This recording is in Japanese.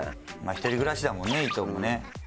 一人暮らしだもんね伊藤もね。